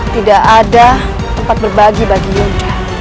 tidak ada tempat berbagi bagi diri